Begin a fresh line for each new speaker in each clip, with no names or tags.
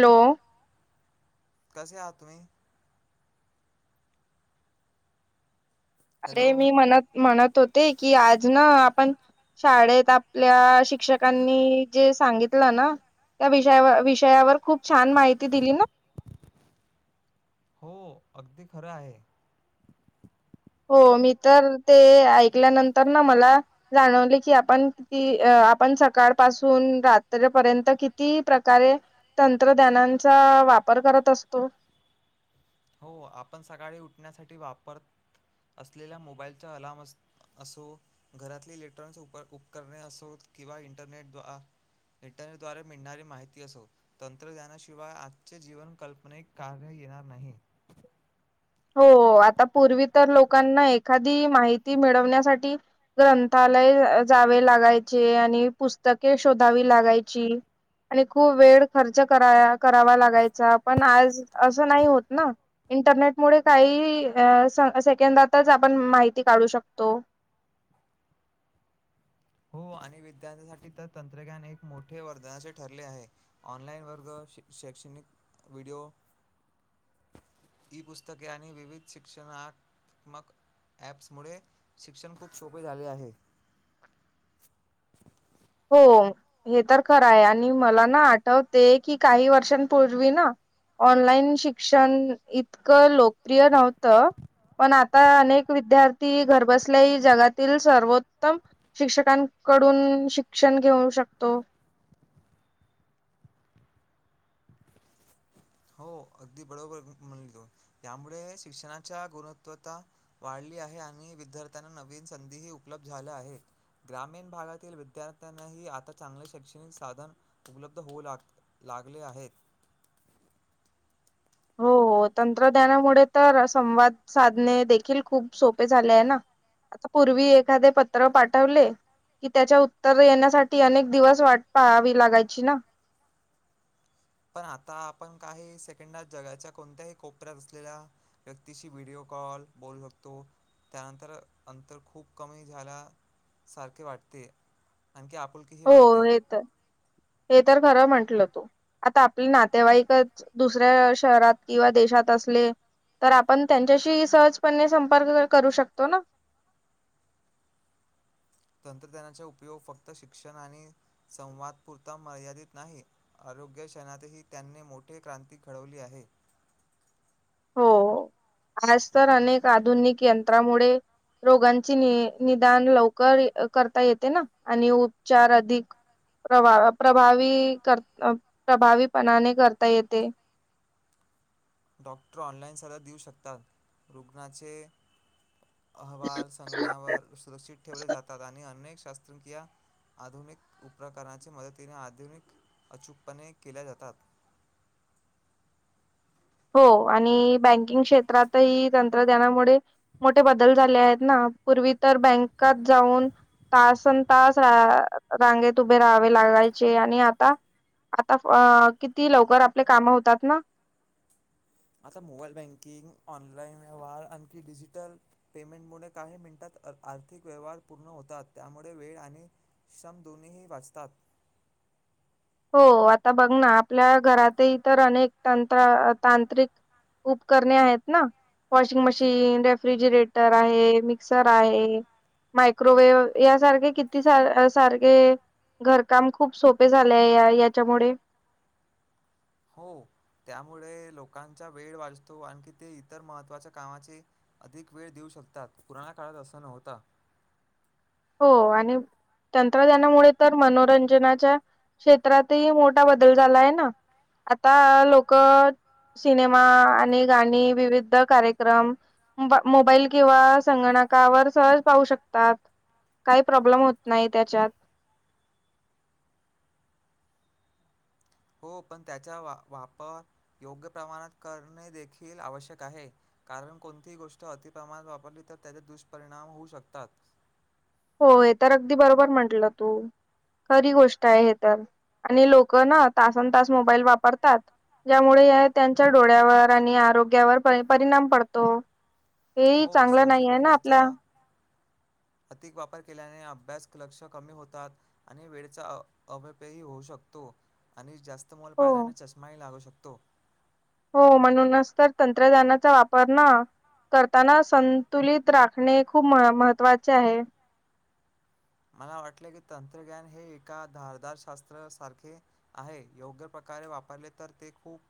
Hello
कसे आहात तुम्ही
अरे
हॅलो
मी म्हणत म्हणत होते की आज ना पण शाळेत आपल्या शिक्षकांनी जे सांगितलं ना त्या विषयावर विषयावर खूप छान माहिती दिली ना.
हो अगदी खरं आहे
हो मी तर ते ऐकल्यानंतर ना मला जाणवले कि आपण अ आपण सकाळ पासून रात्रीपर्यंत किती प्रकारे तंत्रज्ञानाचा वापर करत असतो
हो आपण सकाळी उठण्यासाठी वापरत असलेल्या मोबाईलचा अलाम असो घरातले इलेक्ट्रॉनिक् उपकरणे असो किंवा इंटरने इंटरनेट दवारे मिळणारी माहिती असो तंत्रज्ञानाशिवाय आजचे जीवन कल्पनिक कार्य येणार नाही
हो आता पूर्वी तर लोकांना एखादी माहिती मिळवण्यासाठी ग्रंथालय जावे लागायचे आणि पुस्तके शोधावी लागायची आणि खूप वेळ खर्च करा करावा लागायचा पण आज असं नाही होत ना इंटरनेट त्यामुळे काही सेकंदातच आपण माहिती काढू शकतो
हो आणि विद्यार्थ्यांसाठी तर तंत्रज्ञान एक मोठे वरधनाचे हो आणि विज्ञान तंत्रज्ञान मोठे वरदान ठरले आहे ऑनलाइन वर्ग शैक्षणिक व्हडिओ ई पुस्तके आणि विविध शिक्षणत्मक ऍप्स मु शिक्षण खूप सोपे झाले. आहे
हो हे तर खरं आहे आणि मला ना आठवते की काही वर्षांपूर्वी ना ऑनलाईन शिक्षण इतकं लोकप्रिय नव्हतं पण आता अनेक विद्यार्थी घरबसल्याही जगातील सर्वोत्तम शिक्षकांकडून शिकतात शिक्षण घेऊ शकतो
हो अगदी बरोबर म्हणो यामुळे शिक्षणाच्या गुणत्वता वाढली आहे आणि विद्यार्थ्यांना नवीन संधीही उपलब्ध झाल्या आहेत ग्रामीण भागातील विद्यार्थ्यांनाही आता चांगले शैक्षणिक साधन उपलब्ध होऊ लाग लागले आहेत
हो. तंत्रज्ञानामुळे तर संवाद साधणे देखील खूप सोपे झाले आहे ना, आता पूर्वी एखादे पत्र पाठवले कि, त्याच्या उत्तर येण्यासाठी अनेक दिवस वाट पाहावी लागायची ना.
पण आता, आपण काही सेकंडात जगाच्या कोणत्याही कोपऱ्यात असलेल्या व्यक्तीशी व्हिडिओ कॉल बोलू शकतो, त्यानंतर अंतर खूप कमी झाल्या सारखे वाटते. आणखी आपुलकी ही
हो
वाढते.
हे तर हे तर खरं म्हंटलं तू, आता आपले नातेवाईकच दुसऱ्या शहरात किंवा देशात असले तर, आपण त्यांच्याशी सहजपणे संपर्क क करू शकतो ना.
तंत्रज्ञानाचा उपयोग फक्त शिक्षण आणि संवाद पुुरता मर्यादित नाही. आरोग्य क्षणातही त्यांनी मोठे क्रांती घडवली आहे.
हो ओ, आज तर अनेक आधुनिक यंत्रामुळे रोगांची नि निदान लवकर करता येते, ना आणि उपचार अधिक प्रवा- प्रभावी कर प्र- प्रभावीपणाने करता येते.
डॉक्टर ऑनलाईन सल्ला देऊ शकतात. रुग्णाचे अहवाल संगण्यावर सुरक्षित ठेवले जातात आणि अनेक शस्त्रक्रिया आधुनिक उपकारांच्या मदतीने आधुनिक अचूकपणे केल्या जातात.
हो आणि बँकिंग क्षेत्रातही तंत्रज्ञानामुळे मोठे बदल झाले आहेत ना. पूर्वी तर बँकात जाऊन तासन तास रा आ रांगेत उभे राहावे लागायचे आणि आता आता किती लवकर आपले काम होतात ना.
आता मोबाईल बँकिंग, ऑनलाइन व्यवहार आणखी डिजिटल पेमेंटमुळे काही मिनिटात अ आर्थिक व्यवहार पूर्ण होतात. त्यामुळे वेळ आणि श्रम दोन्हीही वाचतात.
हो आता बघ ना, आपल्या घरातही ईतर अनेक तंत्र तांत्रिक उपकरणे आहेत ना. वॉशिंग मशीन, रेफ्रिजिरेटर आहे, मिक्सर आहे, मायक्रोवेव यासारखे किती सारे सारखे घरकाम खूप सोपे झाले. आपल्या या याच्यामुळे
हो त्यामुळे लोकांचा वेळ वाचतो. आणखी ते इतर महत्त्वाच्या कामाचे अधिक वेळ देऊ शकतात. पुराना काळात असं नव्हत.
हो आणि तंत्रज्ञानामुळे तर मनोरंजनाच्या क्षेत्रातही मोठा बदल झाला आहे ना, आता लोक सिनेमा आणि गाणी विविध कार्यक्रम मोबाईल किंवा संगणकावर सहज पाहू शकतात. काही प्रॉब्लेम होत नाही त्याच्यात
हो पण त्याचा वापर योग्य प्रमाणात करणे देखील आवश्यक आहे, कारण कोणतीही गोष्ट अतिप्रमाणात वापरली तर त्याचे दुष्परिणाम होऊ शकतात.
होय हे तर अगदी बरोबर म्हंटलं तू, खरी गोष्ट आहे हे तर, आणि लोक ना तासन-तास मोबाईल वापरतात. ज्यामुळे त्यांच्या डोळ्यावर आणि आरोग्यावर परिणाम पडतो हेही
हो,
चांगलं
सोशल
नाही आहे ना आपल्या
मीडियाचा अधिक वापर केल्याने, अभ्यासात लक्ष कमी होतात. आणि वेळेचा होऊ शकतो आणि जास्त मोल
हो.
पाळल्याने चष्माही लागू शकतो. तो.
हो म्हणूनच तर तंत्रज्ञानाचा वापर ना करताना. संतुलित राखणे खूप महत्त्वाचे आहे.
मला वाटलं की तंत्रज्ञान हे एका धारधारशास्त्र सारखे आहे. योग्य प्रकारे वापरले तर ते खूप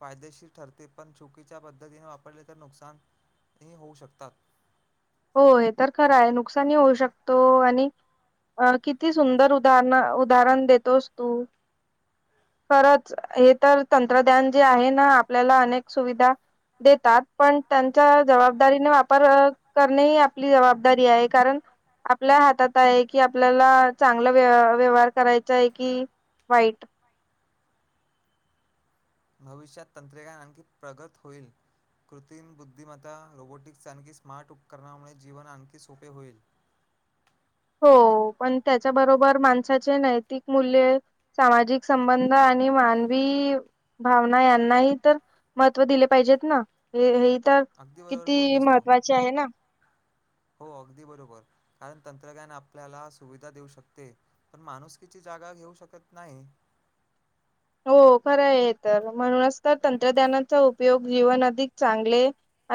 फायदेशीर ठरते, पण चुकीच्या पद्धतीने वापरले तर नुकसानही होऊ शकतात.
हो हे तर खरं आहे, नुकसानी होऊ शकतो. आणि अ किती सुंदर उदार उदाहरण देतोस तू. खरच हे तर तंत्रज्ञान जे आहे ना, आपल्याला अनेक सुविधा देतात. पण त्यांच्या जबाबदारीने वापर करणे ह आपली जबाबदारी आहे. कारण आपल्या हातात आहे कि आपल्याला चांगलं व्य व्यवहार करायचा आहे कि वाईट.
भविष्यात तंत्रज्ञान आणखी प्रगत होईल. कृतिम बुद्धिमत्ता रोबोटिक्स आणखी स्मार्ट उपकरणामुळे जीवन आणखी सोपे होईल.
हो पण त्याच्याबरोबर माणसाचे नैतिक मूल्य. सामाजिक संबंध आणि मानवी भावना यांनाही तर महत्त्व दिले पाहिजेत ना. हे ही. तर
अगदी बरोबर
किती
बोललीस तू.
महत्त्वाचे आहे ना.
हो अगदी बरोबर कारण तंत्रज्ञान आपल्याला सुविधा देऊ शकते. पण माणुसकीची जागा घेऊ शकत नाही.
हो खरं आहे तर. म्हणूनच तर तंत्रज्ञानाचा उपयोग जीवन अधिक चांगले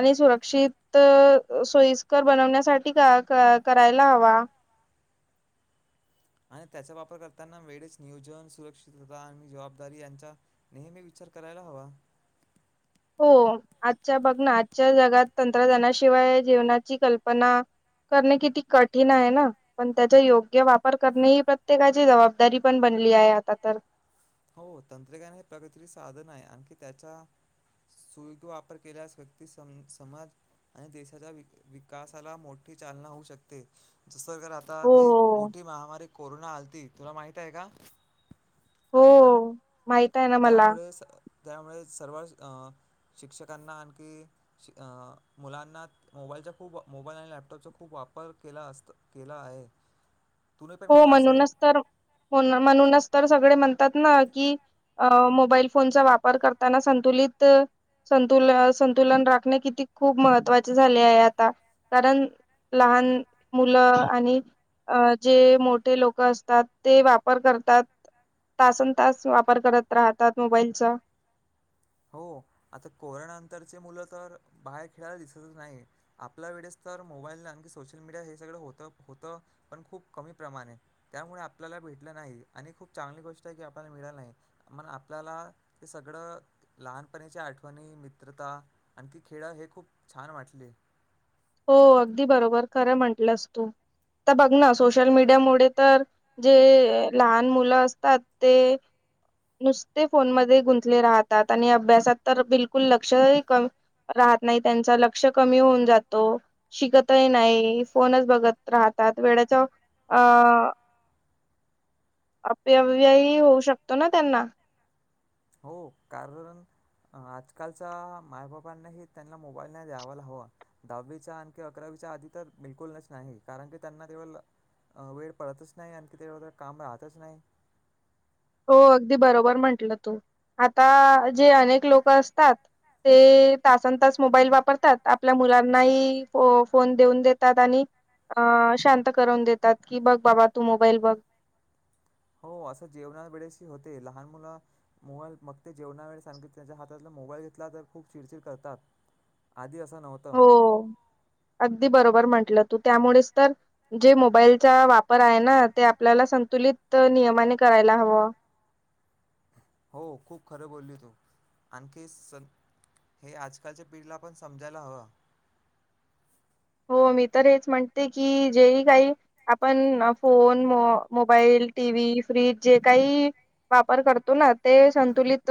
आणि सुरक्षित सोयीस्कर बनवण्यासाठी करायला हवा.
आणि त्याचा वापर करताना वेळेच नियोजन, सुरक्षितता आणि जबाबदारी यांचा नेहमी विचार करायला हवा.
हो आजच्या, बघ ना, आजच्या जगात तंत्रज्ञानाशिवाय जीवनाची कल्पना करणे किती कठीण आहे ना. पण त्याचा योग्य वापर करणे ही प्रत्येकाची जबाबदारी पण बनली आहे आता तर.
हो तंत्रज्ञान हे प्रगतीचे साधन आहे. आणखी त्याचा सुविवापर केल्यास व्यक्ती समाज आणि देशाच्या विकासाला मोठी चालना होऊ शकते. जसं की आता
हो
जे मोठी महामारी कोरोना आलती. तुला माहित आहे का?
हो. माहित आहे ना मला
त्यामुळे स त्यामुळे [unintelligible] शिक्षकांना आणखी अ मुलांना मोबाईलच्या खूप मोबाईल आणि लॅपटॉपचा खूप वापर केला असत केला आहे. तुम्ही पण
हो
केला असेल
म्हणूनच तर म्हणूनच तर सगळे म्हण तात ना की अ मोबाईल फोनचा वापर करताना संतुलित संतू संतुलन राखणे किती खूप महत्वाचे झाले आहे आता कारण लहान मुलं आणि अ जे मोठे लोक असतात ते वापर करतात तासंतास वापर करत राहतात मोबाईलचा.
हो आता कोरोनांतरचे मुलं, तर बाहेर खेळायला दिसतच नाही, आपल्या वेळेस तर मोबाईल आणखी सोशल मीडिया हे सगळं होत-होत पण खूप कमी प्रमाणे त्यामुळे आपल्याला भेटलं नाही, आणि खूप चांगली गोष्ट आहे की आपल्याला मिळालं नाही मण आपल्याला ते सगळं लहानपणाच्या आठवणी मित्रता आणखी खेळ हे खूप छान वाटले
हो अगदी बरोबर खरं म्हंटलंस तू तर बघ ना सोशल मीडिया मु तर जे लहान मुलं असतात ते नुसते फोन मध्ये गुंतले राहतात आणि अभ्यासात तर बिलकुल लक्षही क राहत नाही त्यांच लक्ष कमी होऊन जात शिकतही नाही फोनच बघत राहतात वेळेच्या अ अपव्यही होऊ शकतो ना त्यांना.
हो कारण आजकालच्या मायबापांनाही त्यांना मोबाईल नाही द्यावाला हवा दहावीचा आणखी अकरावीच्या आधी तर बिलकुलच नाही कारण की त्यांना तेव वेळ पडतच नाही आणखी तेव तर काम राहतच नाही.
हो अगदी बरोबर म्हंटलं तू आता जे अनेक लोक असतात ते तासन तास मोबाईल वापरतात आपल्या मुलांनाही फोन देऊन देतात आणि अ शांत करवून देतात की बघ बाबा तू मोबाईल बघ.
हो असं जेवणा वेळेशी होते लहान मुलं मोबाल मग ते जेवणा वेळे सांगित त्यांच्या हातात मोबाईल घेतला तर खूप चिडचिड करतात आधी. नव्हतं,
त त्यामुळे ज मोबालचा वापर आहे ना ते आपल्याला संतुलित नियने करायला हव.
हो खूप खरं बोलली तू आणखी स हे आजकालच्या पिढीला पण समजायला हवं
हो मी तर हेच म्हणते की, जेही काही आपण फोन मोबाईल, टीव्ही, फ्रीज जे काही वापर करतो ना ते संतुलित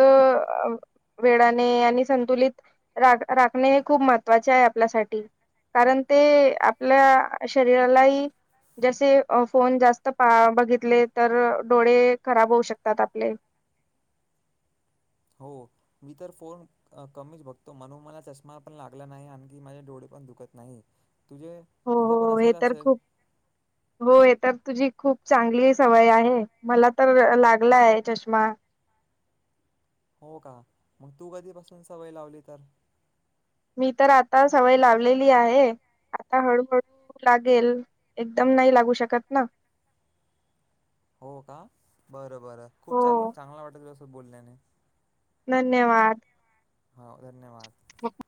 वेळाने आणि संतुलित रा राखणे हे खूप महत्वाचे आहे आपल्यासाठी. कारण ते आपल्या शरीरालाही जसे फोन जास्त पा बघितले तर डोळे खराब होऊ शकतात आपले.
हो मी तर फोन कमीच बघतो म्हणून मला चष्मा पण लागला नाही, आणखी माझे डोळे पण दुखत नाही. तुझे तुझा पण
हो-हो हे
असाच
तर
असेल
खूप हो हे तर तुझी खूप चांगली सवय आहे मला तर लागलाय चष्मा.
हो का मग तू कधीपासून सवय लावली तर,
मी तर आता सवय लावलेली आहे आता हळू-हळू लागेल एकदम नाही लागू शकत ना.
हो का बरोबर, बरं खूप
हो
चल चांगला वाटेल, त बोलने.
धन्यवाद,
हो धन्यवाद,
हो,